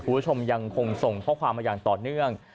คุณผู้ชมยังคงส่งข้อความมาอย่างต่อเนื่อง